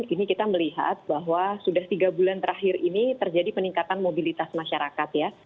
ini kita melihat bahwa sudah tiga bulan terakhir ini terjadi peningkatan mobilitas masyarakat ya